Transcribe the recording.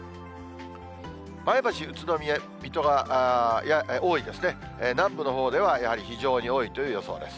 前橋、宇都宮、水戸が多いですね、南部のほうではやはり非常に多いという予想です。